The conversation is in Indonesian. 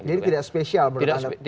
jadi tidak spesial berarti